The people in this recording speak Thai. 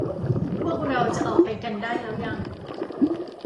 พวกเราจะออกไปกันได้แล้วยัง